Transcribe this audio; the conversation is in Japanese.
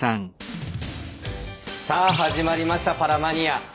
さあ始まりました「パラマニア」。